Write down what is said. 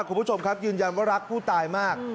คุณผู้ชมครับยืนยันว่ารักผู้ตายมาก